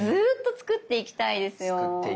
作っていきたいですね。